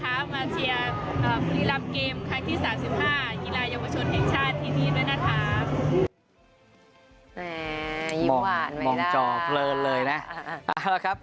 แต่ไม่ได้ข่าวว่าได้แค่๑๘๐บาทคือน้อยมากเลยนะมันใช่ค่ะ๑๘๐บาท